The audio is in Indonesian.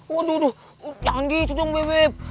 waduh jangan gitu dong bebep